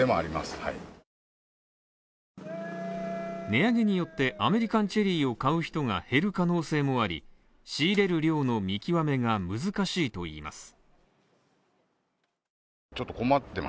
値上げによって、アメリカンチェリーを買う人が減る可能性もあり、仕入れる量の見極めが難しいといいます。